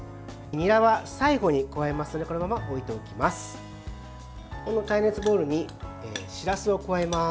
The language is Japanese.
にらは最後に加えますのでこのまま置いておきます。